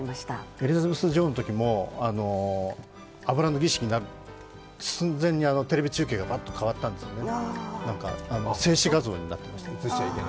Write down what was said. エリザベス女王のときも油の儀式の寸前に、テレビ中継がぱっと変わったんですよね、静止画像になった。